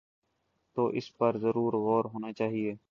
تو اس پر ضرور غور ہو نا چاہیے۔